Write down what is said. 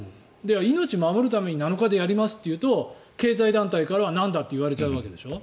命を守るために７日でやりますと言うと経済団体から、なんだって言われちゃうわけでしょ。